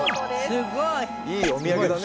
すごいいいお土産だね